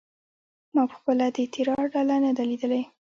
ما پخپله د تیراه ډله نه ده لیدلې.